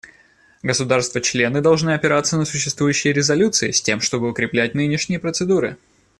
Государства-члены должны опираться на существующие резолюции, с тем чтобы укреплять нынешние процедуры.